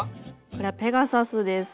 これはペガサスです。